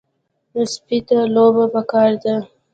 سپي ته لوبه پکار ده.